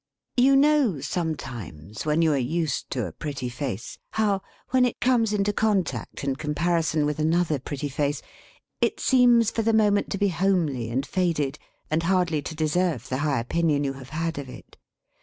You know sometimes, when you are used to a pretty face, how, when it comes into contact and comparison with another pretty face, it seems for the moment to be homely and faded, and hardly to deserve the high opinion you have had of it.